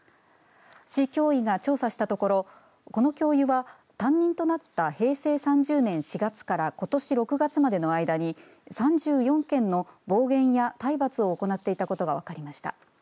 市教委が調査したところこの教諭は担任となった平成３０年４月からことし６月までの間に３４件の暴言や体罰を行っていたことが分かりました。